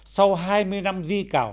sau hai mươi năm di cào